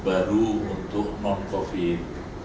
baru untuk non covid